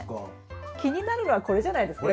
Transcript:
気になるのはこれじゃないですか？